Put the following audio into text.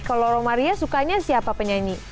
kalau romaria sukanya siapa penyanyi